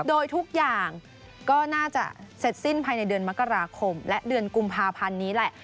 โดยทุกอย่างก็น่าจะเสร็จสิ้นภายในเดือนมกราคมและเดือนกุมภาพันธ์นี้แหละ